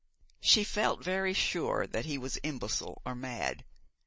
She felt very sure that he was imbecile or mad.